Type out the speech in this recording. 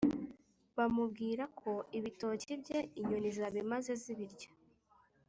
bamubwira ko ibitoke bye inyoni zabimaze zibirya.